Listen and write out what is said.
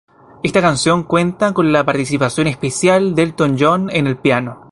Esta canción cuenta con la participación especial de Elton John en el piano.